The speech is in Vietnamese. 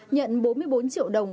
nhận bốn mươi bốn triệu đồng